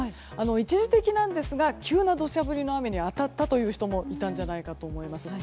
一時的なんですが急な土砂降りの雨に当たったという人もいたんじゃないかと思います。